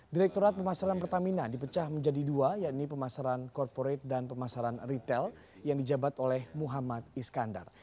direkturat pemasaran pertamina dipecah menjadi dua yaitu pemasaran corporate dan pemasaran retail yang dijabat oleh muhammad iskandar